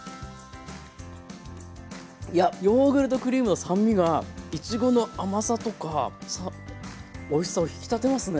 いやヨーグルトクリームの酸味がいちごの甘さとかおいしさを引き立てますね